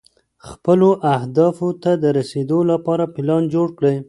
خپلو اهدافو ته د رسېدو لپاره پلان جوړ کړئ.